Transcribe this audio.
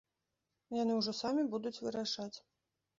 Яны ўжо самі будуць вырашаць.